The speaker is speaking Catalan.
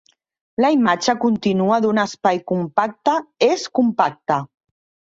La imatge contínua d'un espai compacte és compacta.